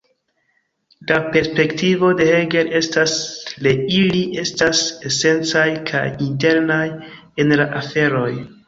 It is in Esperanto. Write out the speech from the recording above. La perspektivo de Hegel estas le ili estas esencaj kaj internaj en la aferoj.